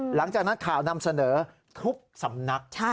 หลังจากนั้นข่าวนำเสนอทุกสำนัก